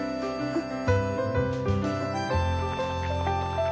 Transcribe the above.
あっ。